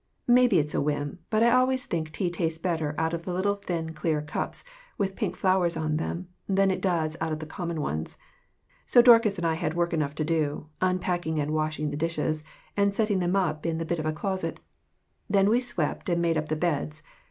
Maybe it's a whim, but I always think tea tastes better out of the little thin, clear cups, with pink flowers on them, than it does out of the common ones. So Dorcas and I had work enough to do, unpacking and washing the dishes, and setting them up in the bit of a closet. Then we swept and made up the beds.